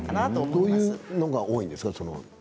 どういうのが多いんですか。